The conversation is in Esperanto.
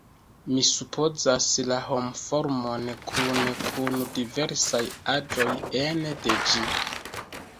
Mi supozas, la homformon kune kun diversaj aĵoj ene de ĝi.